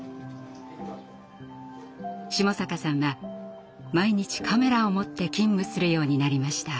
下坂さんは毎日カメラを持って勤務するようになりました。